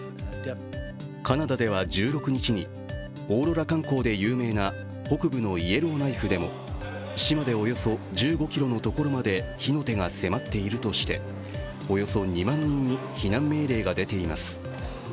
カナダでは１６日に、オーロラ観光で有名な北部のイエローナイフでも市までおよそ１５ｋｍのところまで火の手が迫っているとしておよそ２万人に避難命令が出ています。